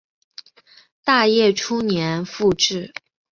大业初年复置。